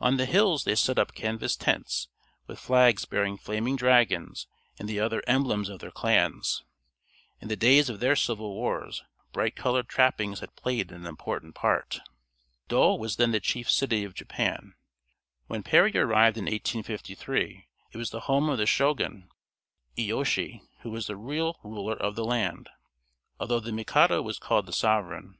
On the hills they set up canvas tents, with flags bearing flaming dragons and the other emblems of their clans. In the days of their civil wars bright colored trappings had played an important part. Yedo was then the chief city of Japan. When Perry arrived in 1853 it was the home of the Shogun Iyéyoshi, who was the real ruler of the land, although the Mikado was called the sovereign.